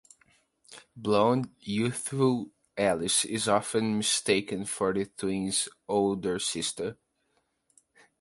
Blonde, youthful Alice is often mistaken for the twins' older sister.